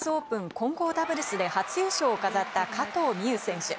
混合ダブルスで初優勝を飾った加藤未唯選手。